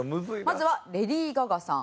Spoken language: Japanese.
まずはレディー・ガガさん。